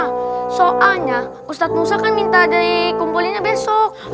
besok ah soalnya ustadz musa kan minta deh kumpulin besok